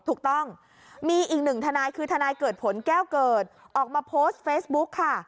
ถูกต้องมีอีกหนึ่งทนายคือทนายเกิดผลแก้วเกิดออกมาโพสต์เฟซบุ๊กค่ะ